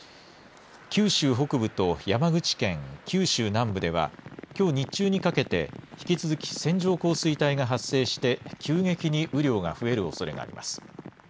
九州北部と山口県、九州南部ではきょう日中にかけて引き続き線状降水帯が発生して急激に雨量が増えるおそれがあります。